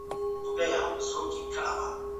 تاسو بايد د سياست پوهني په اړه معلومات ټول کړئ.